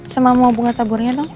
sama mau bunga taburnya dong